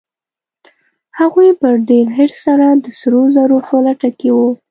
هغوی په ډېر حرص سره د سرو زرو په لټه کې وو.